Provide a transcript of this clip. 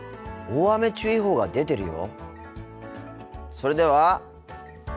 大雨注意報が出てるよ。